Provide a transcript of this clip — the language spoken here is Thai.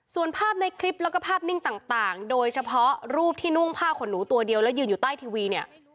ส่วนภาพในคลิปแล้วก็ภาพนิ่งต่างโดยเฉพาะรูปที่นุ่งผ้าขนหนูตัวเดียวแล้วยืนอยู่ใต้ทีวีเนี่ย